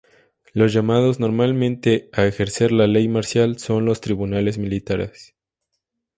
Los llamados normalmente a ejercer la ley marcial son los tribunales militares.